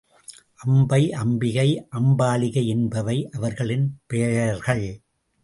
அம்பை, அம்பிகை, அம்பாலிகை என்பவை அவர்களின் பெயர்கள்.